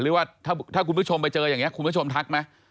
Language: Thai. หรือว่าถ้าคุณผู้ชมไปเจออย่างนี้คุณผู้ชมทักไหม